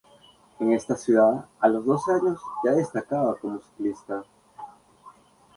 En esta ciudad, a los doce años ya destacaba como ciclista.